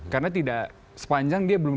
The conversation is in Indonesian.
karena tidak sepanjang dia belum